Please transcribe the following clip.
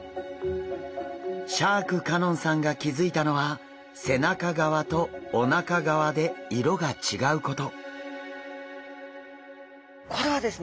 シャーク香音さんが気付いたのは背中側とおなか側で色が違うこと。